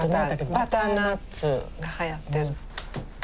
バターナッツがはやってる。